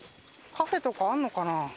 カフェとかあるのかな？